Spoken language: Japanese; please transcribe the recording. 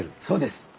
そうです。